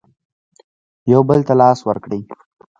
یو بل ته لاس ورکړئ